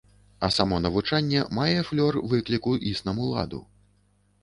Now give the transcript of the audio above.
А само навучанне мае флёр выкліку існаму ладу.